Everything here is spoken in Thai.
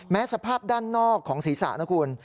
สภาพด้านนอกของศีรษะนะคุณ